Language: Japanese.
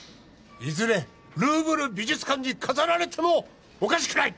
いずれルーブル美術館に飾られてもおかしくない！